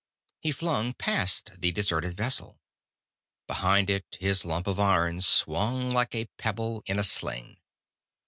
He flung past the deserted vessel, behind it, his lump of iron swung like a pebble in a sling.